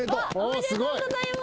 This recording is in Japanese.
おめでとうございます。